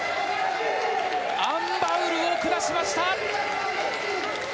アン・バウルを下しました！